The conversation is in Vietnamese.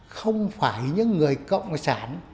không phải những người cộng sản